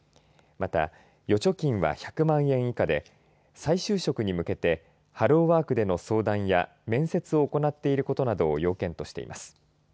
また預貯金は１００万円以下で再就職に向けてハローワークでの相談や面接を行っていることなどを要件としています。